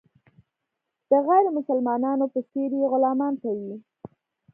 د غیر مسلمانانو په څېر یې غلامان کوي.